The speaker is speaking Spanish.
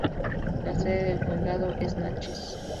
La sede del condado es Natchez.